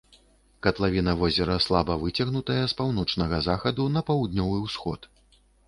Катлавіна возера слаба выцягнутая з паўночнага захаду на паўднёвы ўсход.